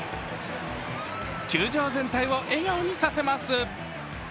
球場全体を笑顔にさせます。